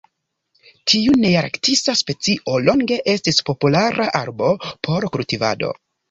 Tiu nearktisa specio longe estis populara arbo por kultivado.